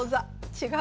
違う。